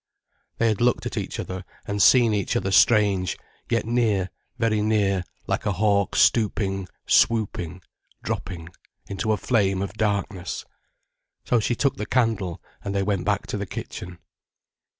They had looked at each other, and seen each other strange, yet near, very near, like a hawk stooping, swooping, dropping into a flame of darkness. So she took the candle and they went back to the kitchen.